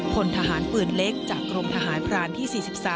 พลทหารปืนเล็กจากกรมทหารพรานที่๔๓